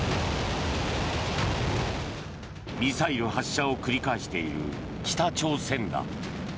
ミサイル発射を繰り返している北朝鮮だ。